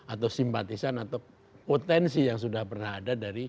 atau simpatisan atau potensi yang sudah pernah ada dari